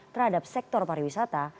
terhadap sektor pariwisata